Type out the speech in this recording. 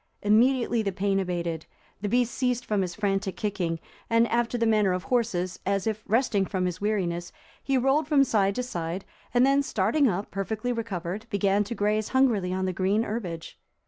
Immediately the pain abated, the beast ceased from his frantic kicking, and, after the manner of horses, as if resting from his weariness, he rolled from side to side, and then starting up, perfectly recovered, began to graze hungrily on the green herbage.